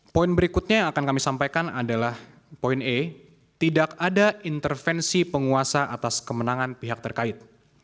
poin berikutnya yang akan kami sampaikan adalah poin e tidak ada intervensi penguasa atas kemenangan pihak terkait